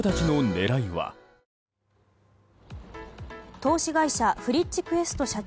投資会社フリッチクエスト社長